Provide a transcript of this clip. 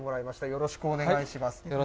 よろしくお願いします。